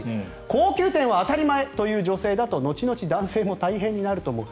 高級店は当たり前という女性だと後々男性も大変になると思う。